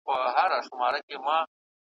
د هغه مور او پلار د امریکا د داخلي ,